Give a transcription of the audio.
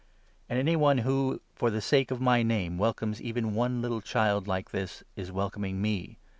And 5 any one who, for the sake of my Name, welcomes even one little child like this, is welcoming me.